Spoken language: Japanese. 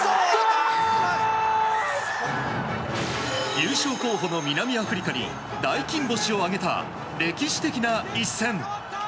優勝候補の南アフリカに大金星を挙げた歴史的な一戦。